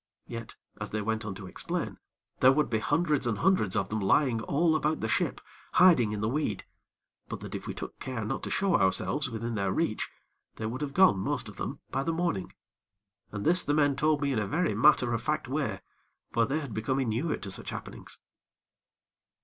Yet, as they went on to explain, there would be hundreds and hundreds of them lying all about the ship, hiding in the weed; but that if we took care not to show ourselves within their reach, they would have gone most of them by the morning. And this the men told me in a very matter of fact way; for they had become inured to such happenings.